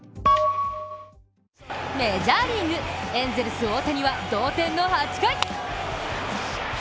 メジャーリーグエンゼルス・大谷は同点の８回。